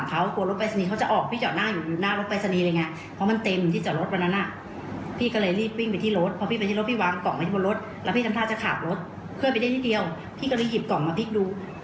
ไม่เห็นเขาส่งมาทางด้านที่ไม่มีรอยกรีด